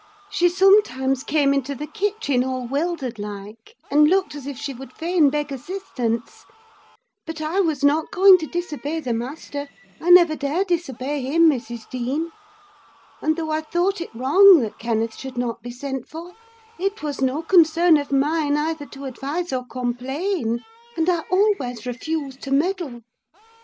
She sometimes came into the kitchen all wildered like, and looked as if she would fain beg assistance; but I was not going to disobey the master: I never dare disobey him, Mrs. Dean; and, though I thought it wrong that Kenneth should not be sent for, it was no concern of mine either to advise or complain, and I always refused to meddle.